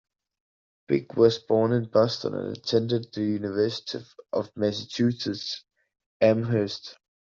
Bix was born in Boston and attended the University of Massachusetts Amherst.